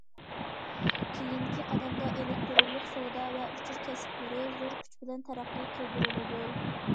كېيىنكى قەدەمدە ئېلېكتىرونلۇق سودا ۋە ئۇچۇر كەسىپلىرى زور كۈچ بىلەن تەرەققىي قىلدۇرۇلىدۇ.